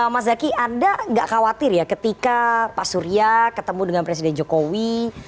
mas zaky anda nggak khawatir ya ketika pak surya ketemu dengan presiden jokowi